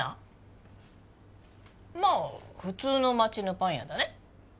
まあ普通の街のパン屋だね